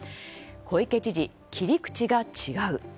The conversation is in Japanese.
小池知事、切り口が違う。